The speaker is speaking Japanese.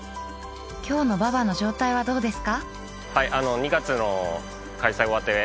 今日の馬場の状態はどうですか？